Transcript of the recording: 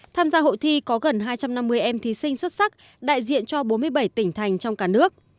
tham gia hội thi có gần hai trăm năm mươi em thí sinh xuất sắc đại diện cho bốn mươi bảy tỉnh thành trong cả nước